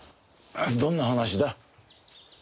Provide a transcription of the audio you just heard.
どんな話だ？